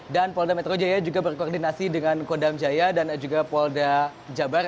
dan polda metro jaya juga berkoordinasi dengan kodam jaya dan juga polda jabar